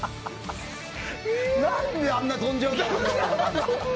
何で、あんなに跳んじゃうんだろうね。